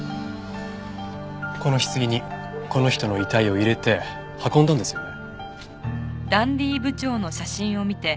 この棺にこの人の遺体を入れて運んだんですよね？